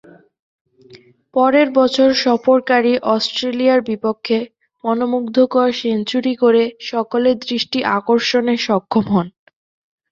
পরের বছর সফরকারী অস্ট্রেলিয়ার বিপক্ষে মনোমুগ্ধকর সেঞ্চুরি করে সকলের দৃষ্টি আকর্ষণে সক্ষম হন।